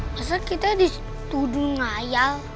masa kita disitu duduk ngayal